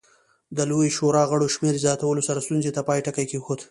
د لویې شورا غړو شمېر زیاتولو سره ستونزې ته پای ټکی کېښود.